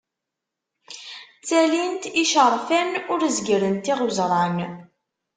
Ttalint iceṛfan, ur zegrent iɣwezṛan.